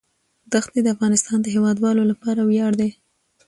دښتې د افغانستان د هیوادوالو لپاره ویاړ دی.